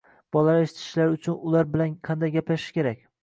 “Bolalar eshitishlari uchun ular bilan qanday gaplashish kerak